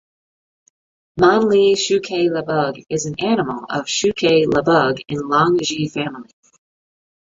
Man Li Chu Ke La Bug is an animal of Chu Ke La Bug in Liang Ji family.